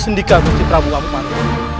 sendika gusti prabu ampumaruf